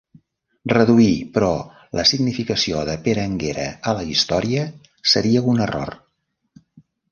Reduir, però, la significació de Pere Anguera a la història, seria un error.